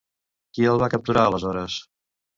Qui el va capturar aleshores?